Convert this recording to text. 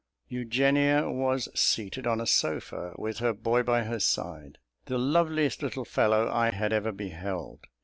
Eugenia was seated on a sofa, with her boy by her side, the loveliest little fellow I had ever beheld.